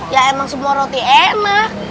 ya emang semua roti enak